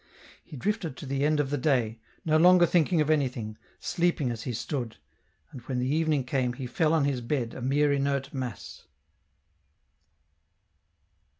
He drifted to the end of the day, no longer thinking of anything, sleeping as he stood, and when the evening came he fell on his bed a mere inert mass.